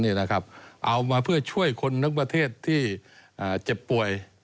เอามาเพื่อช่วยคนทั้งประเทศที่เจ็บป่วย